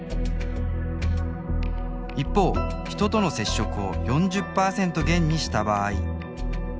一方、人との接触を４０％減にした場合。